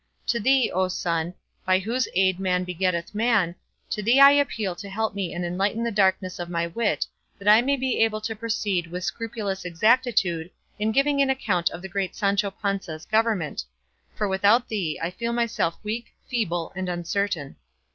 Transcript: To thee, O Sun, by whose aid man begetteth man, to thee I appeal to help me and lighten the darkness of my wit that I may be able to proceed with scrupulous exactitude in giving an account of the great Sancho Panza's government; for without thee I feel myself weak, feeble, and uncertain.